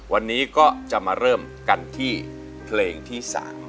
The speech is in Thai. วันนี้ก็จะมาเริ่มกันที่เพลงที่๓